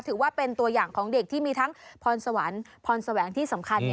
ถือว่าเป็นตัวอย่างของเด็กที่มีทั้งพรสวรรค์พรแสวงที่สำคัญ